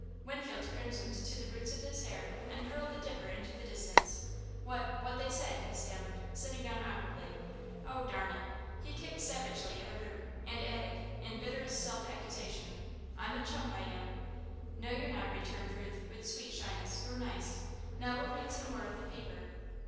Winfield crimsoned to the roots of his hair and hurled the dipper into the distance. "What what they said," he stammered, sitting down awkwardly. "Oh, darn it!" He kicked savagely at a root, and added, in bitterest self accusation, "I'm a chump, I am!" "No you're not," returned Ruth, with sweet shyness, "you're nice. Now we'll read some more of the paper."